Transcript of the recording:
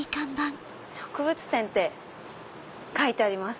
「植物店」って書いてあります。